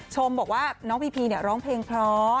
บอกว่าน้องพีพีร้องเพลงเพราะ